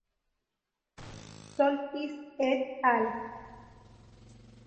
Soltis "et al.